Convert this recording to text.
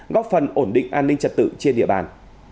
góp phần ổn định an ninh trật tự trên địa bàn